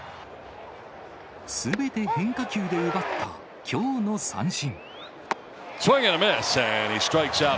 すべて変化球で奪ったきょうの三振。